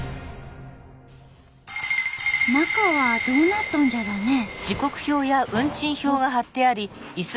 中はどうなっとんじゃろね？